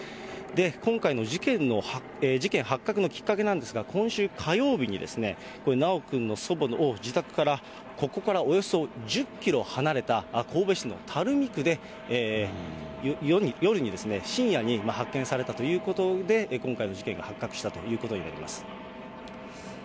今回の事件発覚のきっかけなんですが、今週火曜日に、修くんの祖母が、自宅から、ここからおよそ１０キロ離れた神戸市の垂水区で、夜に、深夜に発見されたということで、今回の事件が発覚したということになります。